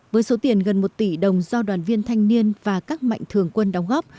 với số tiền gần một tỷ đồng do đoàn viên thanh niên và các mạnh thường quân đóng góp